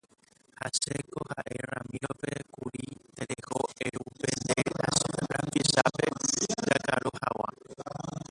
Ha chéko ha'e Ramiro-pe kuri tereho eru pe nde rapichápe jakaru hag̃ua.